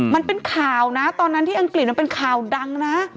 มันเป็นข่าวนะตอนนั้นที่อังกฤษมันเป็นข่าวดังนะ